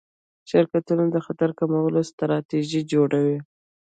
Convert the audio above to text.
شرکتونه د خطر کمولو ستراتیژي جوړوي.